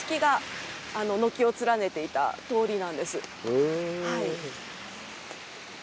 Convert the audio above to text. へえ。